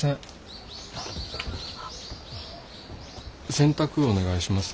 洗濯お願いします。